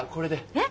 えっ？